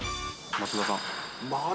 松田さん。